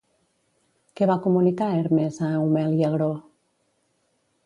Què va comunicar Hermes a Eumel i Agró?